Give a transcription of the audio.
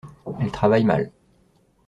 Elle travaille mal.